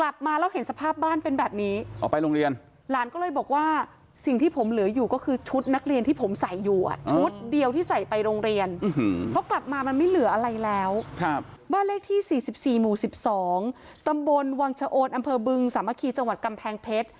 บ้านเลขที่๔๔หมู่๑๒ตำบลวังเฉโอร์นอำเภอบึงสามัคคีจังหวัดกำแพงเพชร